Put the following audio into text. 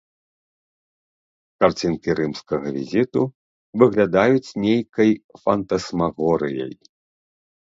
Карцінкі рымскага візіту выглядаюць нейкай фантасмагорыяй.